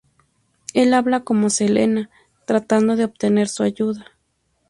Él habla con Selena, tratando de obtener su ayuda.